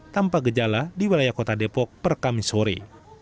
tanpa gejala di wilayah kota depok per kamis sore